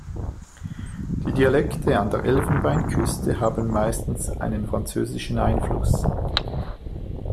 Die Dialekte an der Elfenbeinküste haben meistens einen französischen Einfluss.